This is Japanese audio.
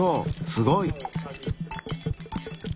すごい！